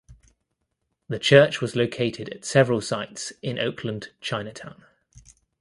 The church was located at several sites in Oakland Chinatown.